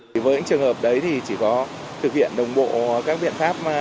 thì với những trường hợp đấy thì chỉ có thực hiện đồng bộ các biện pháp